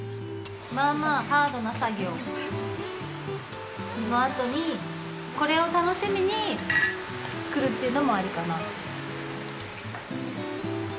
まあまあハードな作業のあとにこれを楽しみに来るっていうのもありかな。